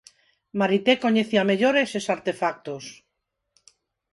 Marité coñecía mellor eses artefactos: